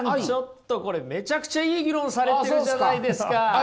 ちょっとこれめちゃくちゃいい議論されてるじゃないですか！